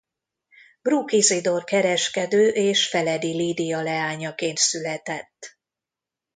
Bruck Izidor kereskedő és Feledi Lídia leányaként született.